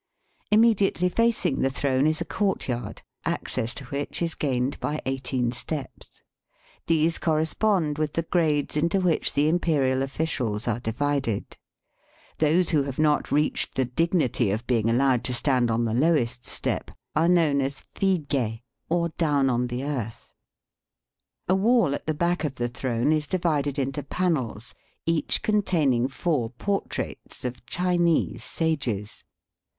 Immediately facing the throne is a courtyard, access to which is gained by eighteen steps. These correspond with the grades into which the imperial oflScials are divided. Those who have not reached the dignity of being allowed to stand on the lowest step are known as fi ge^ or " down on the earth." A wall at the back of the throne is divided into panels, each containing four portraits of Chinese sages.